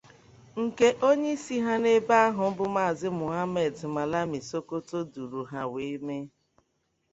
nke onyeisi ha n'ebe ahụ bụ Maazị Mohammed Malami Sokoto duru ha wee mee